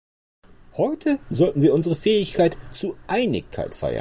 Heute sollten wir unsere Fähigkeit zu Einigkeit feiern.